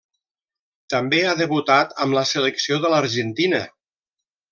També ha debutat amb la selecció de l'argentina.